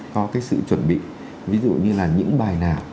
có cái sự chuẩn bị ví dụ như là những bài nào